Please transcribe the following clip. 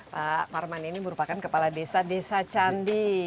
pak parman ini merupakan kepala desa desa candi